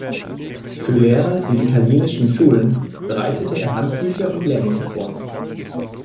Für Lehrer in italienischen Schulen bereitete er Handbücher und Lehrmittel vor.